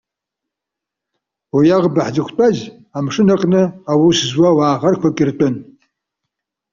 Уи аӷба ҳзықәтәаз, амшын аҟны аус зуаз уаа ӷарқәак иртәын.